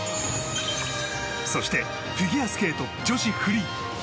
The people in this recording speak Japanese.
そしてフィギュアスケート女子フリー。